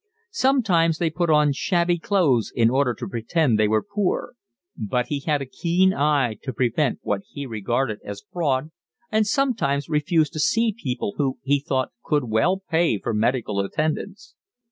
Sometimes they put on shabby clothes in order to pretend they were poor; but he had a keen eye to prevent what he regarded as fraud and sometimes refused to see people who, he thought, could well pay for medical attendance.